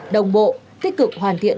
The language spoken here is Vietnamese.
đồng bộ tích cực hoàn thiện